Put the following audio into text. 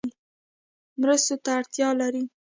مرستو ته اړتیا لري